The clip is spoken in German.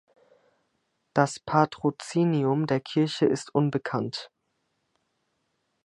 Das Patrozinium der Kirche ist unbekannt.